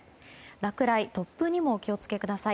落雷や突風にもお気を付けください。